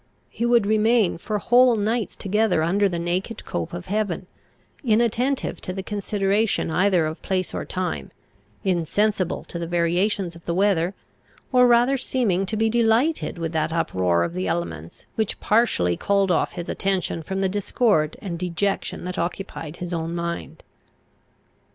He would remain for whole nights together under the naked cope of heaven, inattentive to the consideration either of place or time; insensible to the variations of the weather, or rather seeming to be delighted with that uproar of the elements, which partially called off his attention from the discord and dejection that occupied his own mind.